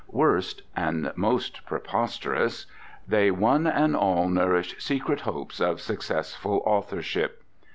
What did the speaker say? Worst, and most preposterous, they one and all nourish secret hopes of successful authorship.